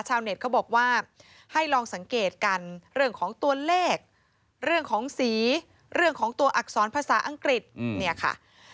เน็ตเขาบอกว่าให้ลองสังเกตกันเรื่องของตัวเลขเรื่องของสีเรื่องของตัวอักษรภาษาอังกฤษเนี่ยค่ะ